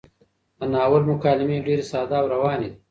د ناول مکالمې ډېرې ساده او روانې دي.